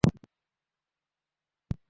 আসুন আমাদের লোকদের দেখাই যে আমরা কী জিতেছি।